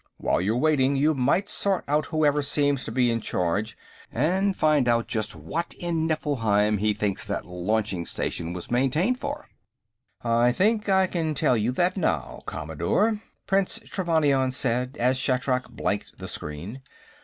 While you're waiting, you might sort out whoever seems to be in charge and find out just what in Nifflheim he thinks that launching station was maintained for." "I think I can tell you that, now, Commodore," Prince Trevannion said as Shatrak blanked the screen.